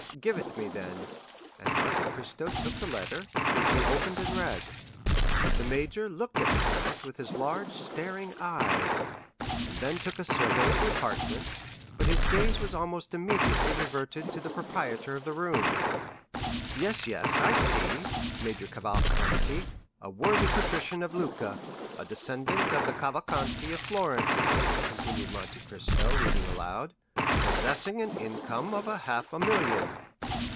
"Give it to me, then." And Monte Cristo took the letter, which he opened and read. The major looked at the count with his large staring eyes, and then took a survey of the apartment, but his gaze almost immediately reverted to the proprietor of the room. "Yes, yes, I see. 'Major Cavalcanti, a worthy patrician of Lucca, a descendant of the Cavalcanti of Florence,'" continued Monte Cristo, reading aloud, "'possessing an income of half a million.